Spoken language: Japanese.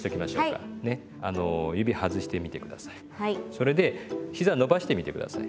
それでひざ伸ばしてみて下さい。